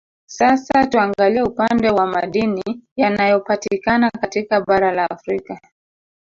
Sasa tuangalie upande wa Madini yanayopatikana katika bara la afrika